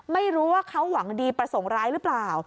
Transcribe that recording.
ไม่รู้ว่าเขาหวังดีประสงค์ร้ายหรือเปล่า